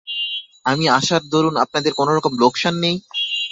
আমি আসার দরুন আপনাদের কোনোরকম লোকসান নেই?